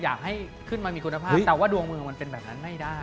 อยากให้ขึ้นมามีคุณภาพแต่ว่าดวงเมืองมันเป็นแบบนั้นไม่ได้